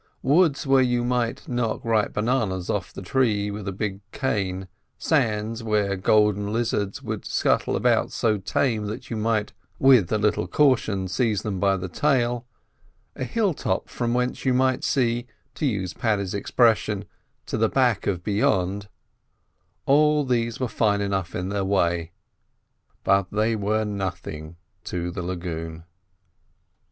Woods where you might knock ripe bananas off the trees with a big cane, sands where golden lizards would scuttle about so tame that you might with a little caution seize them by the tail, a hill top from whence you might see, to use Paddy's expression, "to the back of beyond"; all these were fine enough in their way, but they were nothing to the lagoon.